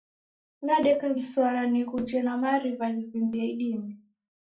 Nadeka mswara nighuje na mariw'a ghivimbie idime.